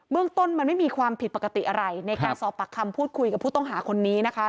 เรื่องต้นมันไม่มีความผิดปกติอะไรในการสอบปากคำพูดคุยกับผู้ต้องหาคนนี้นะคะ